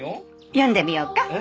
読んでみようか。